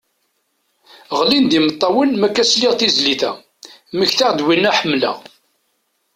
Ɣlin-d imettawen makka sliɣ tizlit a, mmektaɣ-d winna ḥemmleɣ.